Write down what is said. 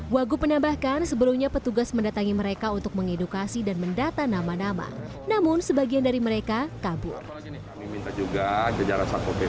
wagub menambahkan sebelumnya petugas mendatangi mereka untuk mengedukasi dan mendata nama nama namun sebagian dari mereka kabur